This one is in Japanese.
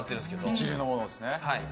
一流のものをですね？